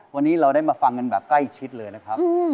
วันนี้เราได้มาฟังกันแบบใกล้ชิดเลยนะครับ